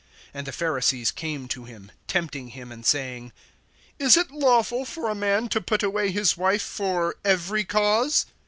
(3)And the Pharisees came to him, tempting him and saying: Is it lawful for a man to put away his wife for every cause?